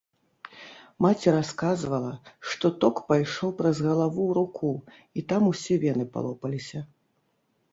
Маці расказвала, што ток пайшоў праз галаву ў руку і там усе вены палопаліся.